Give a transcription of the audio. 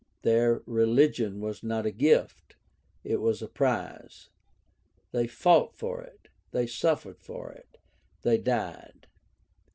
Their religion was not a gift; it was a prize. They fought for it; they suffered for it; they died.